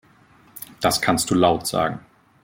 Das kannst du laut sagen.